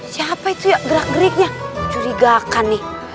siapa itu ya gerak geriknya curigakan nih